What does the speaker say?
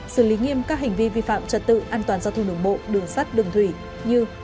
xử lý nghiêm các hành vi vi phạm trật tự an toàn giao thông đường bộ đường sắt đường thủy như